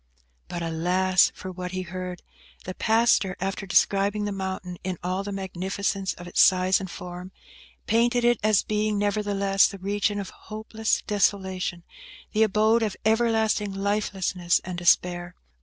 But alas! for what he heard. The pastor, after describing the mountain in all the magnificence of its size and form, painted it as being, nevertheless, the region of hopeless desolation; the abode of everlasting lifelessness and despair.